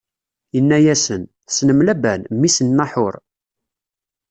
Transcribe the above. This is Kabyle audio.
Inna-yasen: Tessnem Laban, mmi-s n Naḥuṛ?